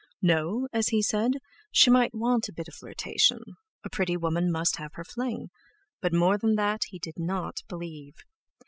No—as he said—she might want a bit of flirtation—a pretty woman must have her fling; but more than that he did not believe.